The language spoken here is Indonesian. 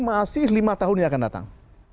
masih lima tahun yang akan datang